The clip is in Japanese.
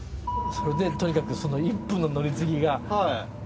それでとにかくその１分の乗り継ぎが。